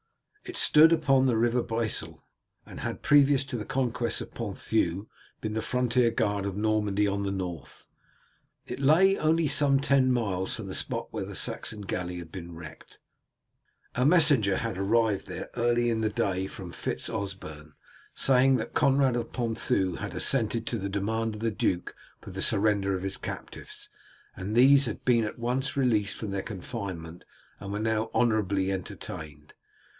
It stood upon the river Bresle, and had, previous to the conquest of Ponthieu, been the frontier guard of Normandy on the north. It lay only some ten miles from the spot where the Saxon galley had been wrecked. A messenger had arrived there early in the day from Fitz Osberne saying that Conrad of Ponthieu had assented to the demand of the duke for the surrender of his captives, that these had been at once released from their confinement, and were now honourably entertained.